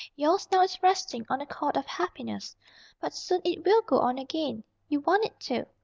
Yours now is resting, on a chord of happiness. But soon it will go on again. You want it to.